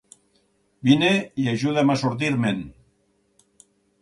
Vine i ajuda'm a sortir-me'n!